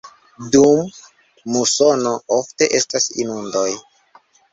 Dum musono ofte estas inundoj.